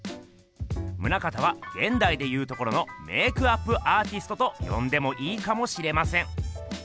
棟方はげんだいでいうところのメークアップアーティストとよんでもいいかもしれません。